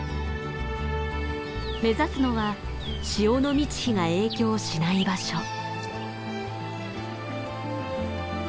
目指すのは潮の満ち干が影響しない場所。